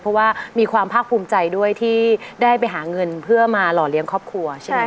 เพราะว่ามีความภาคภูมิใจด้วยที่ได้ไปหาเงินเพื่อมาหล่อเลี้ยงครอบครัวใช่ไหม